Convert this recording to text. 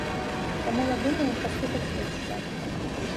Таму я думаю, паслухаць ёсць што.